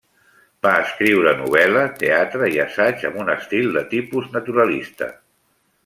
Va escriure novel·la, teatre i assaig amb un estil de tipus naturalista.